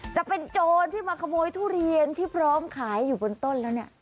โจรที่มาขโมยทุเรียนที่พร้อมขายอยู่บนต้นแล้วเนี่ย